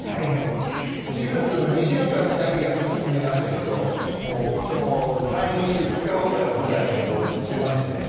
手術の２週間だけ休みましたけど退院して２日後から舞台に出ましてね。